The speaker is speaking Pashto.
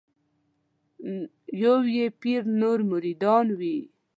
یو یې پیر نور مریدان وي